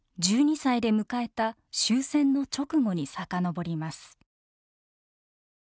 １２歳で迎えた終戦の直後に遡ります。